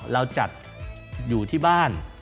เราจัดอยู่ที่บ้าน